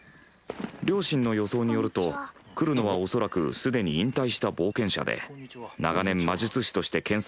両親の予想によると来るのは恐らくすでに引退した冒険者で長年魔術師として研さんを積んだ中年か